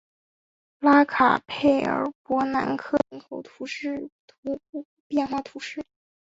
拉卡佩尔博南克人口变化图示